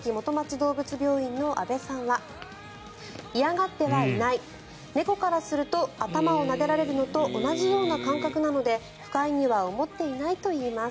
どうぶつ病院の阿部さんは嫌がってはいない猫からすると頭をなでられるのと同じような感覚なので不快には思っていないといいます。